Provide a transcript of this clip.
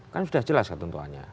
kan sudah jelas tentuannya